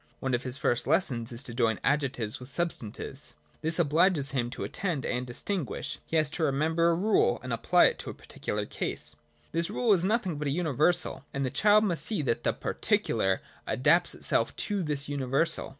One of his first lessons is to join adjectives with substantives. This obliges him to attend and distinguish : he has to re member a rule and apply it to the particular case. This rule is nothing but a universal : and the child must see that the particular adapts itself to this universal.